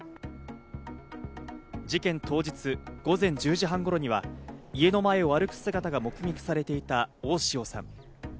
事件当日、午前１０時半頃には家の前を歩く姿が目撃されていた大塩さん。